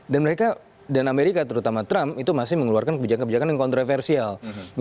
dan mereka dan amerika terutama trump itu masih mengeluarkan kebijakan kebijakan yang kontroversial